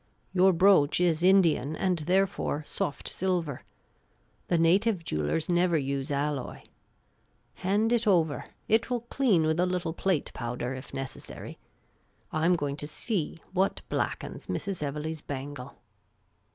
Your brooch is Indian, and therefore soft silver. The native jewellers never use alloy. Hand it over; it will clean with a little plate powder, if necessary. I 'm going to see what blackens Mrs. Evelegh's bangle."